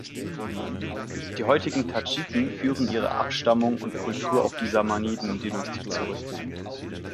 Die heutigen Tadschiken führen ihre Abstammung und Kultur auf die Samaniden-Dynastie zurück.